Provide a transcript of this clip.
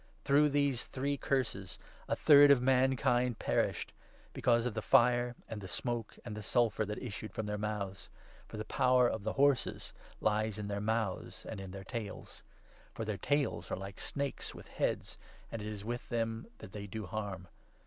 Through these three 18 Curses a third of mankind perished — because of the fire, and the smoke, and the sulphur that issued from their mouths ; for the power of the horses lies in their mouths and in their 19 tails. For their tails are like snakes, with heads, and it is with them that they do harm.